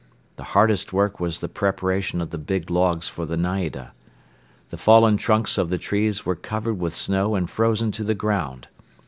The hardest work was the preparation of the big logs for the naida. The fallen trunks of the trees were covered with snow and frozen to the ground.